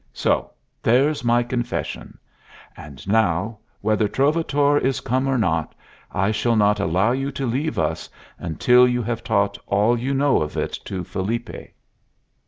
So there's my confession! And now, whether Trovatore is come or not, I shall not allow you to leave us until you have taught all you know of it to Felipe."